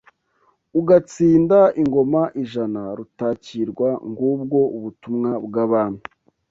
Ugatsinda ingoma ijana Rutakirwa , ngubwo ubutumwa bw'Abami